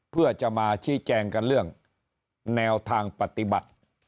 เพื่อจะมาชี้แจงกันเรื่องแนวทางปฏิบัติ